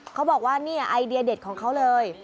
เขาบอกว่านี่ไอเดียเด็ดของเขาเลย